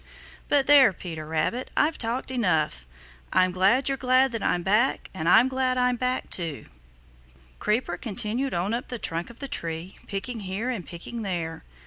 But there, Peter Rabbit, I've talked enough. I'm glad you're glad that I'm back, and I'm glad I'm back too." Creeper continued on up the trunk of the tree, picking here and picking there.